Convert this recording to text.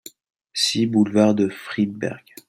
six boulevard de Friedberg